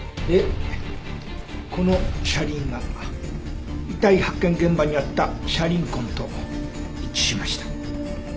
でこの車輪が遺体発見現場にあった車輪痕と一致しました。